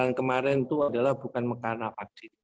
dan kemarin itu adalah bukan mengakui vaksin